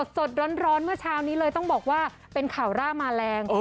สดร้อนเมื่อเช้านี้เลยต้องบอกว่าเป็นข่าวร่ามาแรง